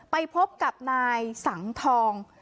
ไปพบกับนายสังทอง